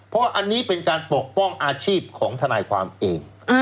เพราะอันนี้เป็นการปกป้องอาชีพของทนายความเอง